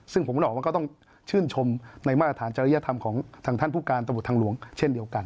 ซึ่งผมออกว่าก็ต้องชื่นชมในมาตรฐานจริยธรรมของทางท่านผู้การตำรวจทางหลวงเช่นเดียวกัน